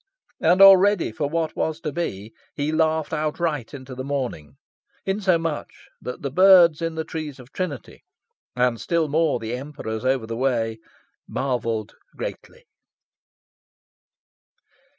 And already, for what was to be, he laughed outright into the morning; insomuch that the birds in the trees of Trinity, and still more the Emperors over the way, marvelled greatly.